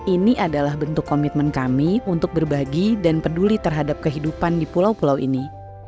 ini adalah bentuk komitmen kami untuk berbagi dan peduli terhadap kehidupan di pulau pulau ini